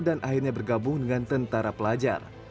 akhirnya bergabung dengan tentara pelajar